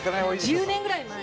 森口：１０年ぐらい前！